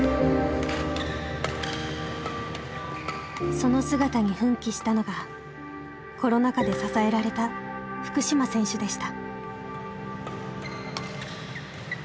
その姿に奮起したのがコロナ禍で支えられた福島選手でした。